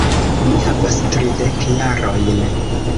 Mi havas tridek jarojn.